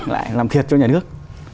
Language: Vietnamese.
lại làm thiệt cho nhà nước